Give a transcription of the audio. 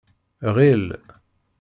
Ɣil.